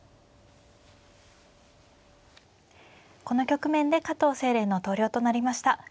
この局面で加藤清麗の投了となりました。